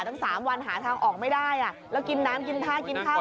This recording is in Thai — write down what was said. ตั้ง๓วันหาทางออกไม่ได้แล้วกินน้ำกินท่ากินข้าว